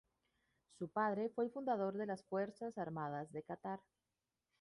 Su padre fue el fundador de las Fuerzas Armadas de Catar.